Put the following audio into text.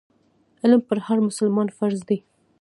علم پر هر مسلمان فرض دی.